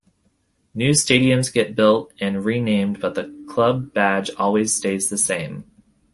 New stadiums get built and re-named but the club badge always stays the same.